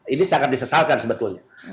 ini sangat disesalkan sebetulnya